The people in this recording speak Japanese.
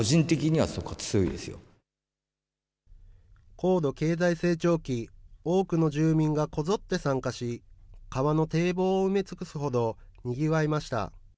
高度経済成長期、多くの住民がこぞって参加し、川の堤防を埋め尽くすほどにぎわいました。